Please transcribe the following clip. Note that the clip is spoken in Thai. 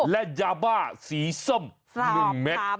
และยาบ้าสีส้ม๑เมตร